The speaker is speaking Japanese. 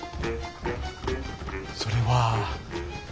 それは。